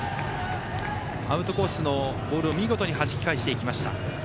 アウトコースのボールを見事にはじき返していきました。